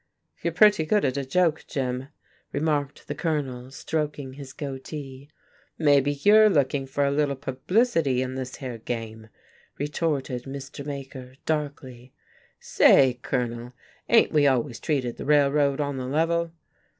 "You're pretty good at a joke, Jim," remarked the Colonel, stroking his goatee. "Maybe you're looking for a little publicity in this here game," retorted Mr. Maker, darkly. "Say, Colonel, ain't we always treated the Railroad on the level?"